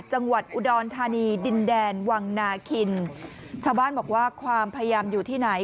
จังหวัดอุดรธานีดินแดนวังนาคินชาวบ้านบอกว่าความพยายามอยู่ที่ไหน